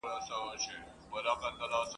هره ګیله دي منم ګرانه پر ما ښه لګیږي !.